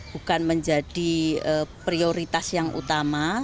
bukan menjadi prioritas yang utama